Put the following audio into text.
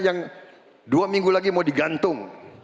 yang dua minggu lagi mau digantung